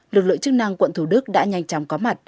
lực lượng chức năng quận thủ đức đã nhanh chóng có mặt